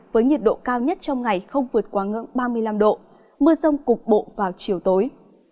với nhiệt độ cao nhất trong ngày không vượt quá ngưỡng ba mươi năm độ mưa rông cục bộ vào chiều tối